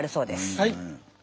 はい。